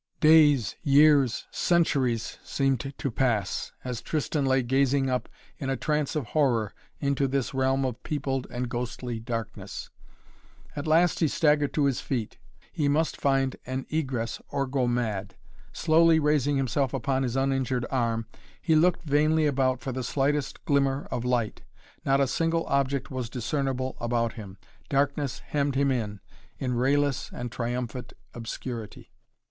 Days, years, centuries seemed to pass, as Tristan lay gazing up in a trance of horror into this realm of peopled and ghostly darkness. At last he staggered to his feet. He must find an egress or go mad. Slowly raising himself upon his uninjured arm, he looked vainly about for the faintest glimmer of light. Not a single object was discernible about him. Darkness hemmed him in, in rayless and triumphant obscurity.